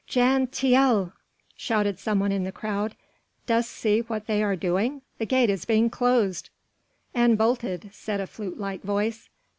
"Jan Tiele!" shouted someone in the crowd, "dost see what they are doing? the gate is being closed...." "And bolted," said a flute like voice.